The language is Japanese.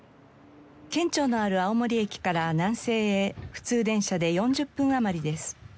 県庁のある青森駅から南西へ普通電車で４０分余りです。